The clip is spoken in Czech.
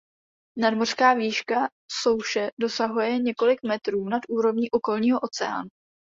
Nadmořská výška souše dosahuje jen několik metrů nad úrovní okolního oceánu.